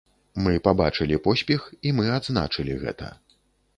Мы пабачылі поспех і мы адзначылі гэта.